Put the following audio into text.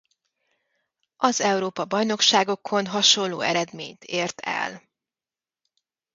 Az Európa-bajnokságokon hasonló eredményt ért el.